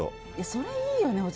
それいいよね。